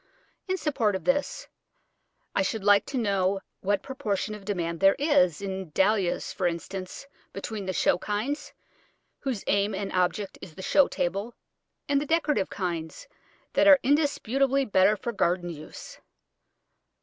In support of this I should like to know what proportion of demand there is, in Dahlias, for instance, between the show kinds, whose aim and object is the show table, and the decorative kinds, that are indisputably better for garden use.